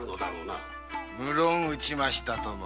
無論うちましたとも。